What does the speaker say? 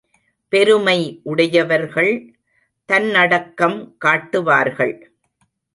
பெருமை உடையவர்கள் தன்னடக்கம் காட்டுவார்கள்.